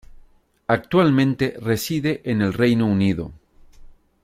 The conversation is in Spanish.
Actualmente reside en el Reino Unido.